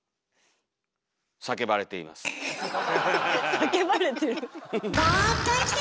叫ばれてる？